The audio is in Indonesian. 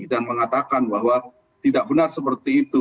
dan mengatakan bahwa tidak benar seperti itu